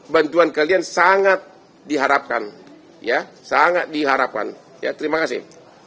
bantuan kalian sangat diharapkan ya sangat diharapkan ya terima kasih